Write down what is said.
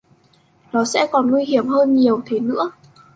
Nó sẽ còn nguy hiểm hơn nhiều thế nữa